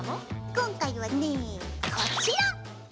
今回はねこちら。